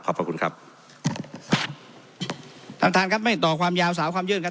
ขอบคุณครับท่านท่านครับไม่ต่อความยาวสาวความยืดครับ